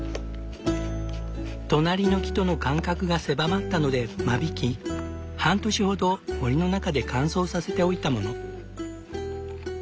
隣の木との間隔が狭まったので間引き半年ほど森の中で乾燥させておいたもの。